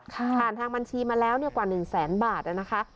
ผ่านทางบัญชีมาแล้วกว่า๑แสนบาทนะคะ